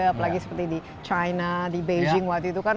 apalagi seperti di china di beijing waktu itu kan